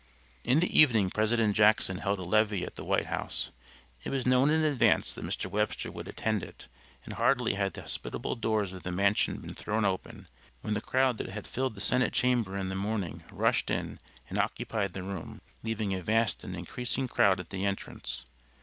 In the evening President Jackson held a levee at the White House. It was known in advance that Mr. Webster would attend it, and hardly had the hospitable doors of the mansion been thrown open, when the crowd that had filled the Senate Chamber in the morning rushed in and occupied the room, leaving a vast and increasing crowd at the entrance.